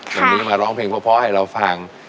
อย่างนี้มาร้องเพลงพอให้เราฟัง